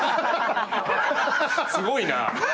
すごいな。